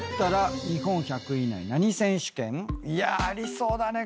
いやありそうだね